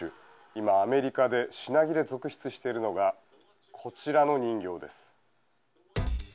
今、アメリカで品切れ続出しているのがこちらの人形です。